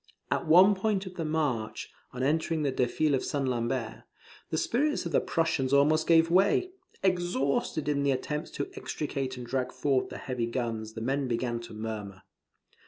At one point of the march, on entering the defile of St. Lambert, the spirits of the Prussians almost gave way. Exhausted in the attempts to extricate and drag forward the heavy guns, the men began to murmur.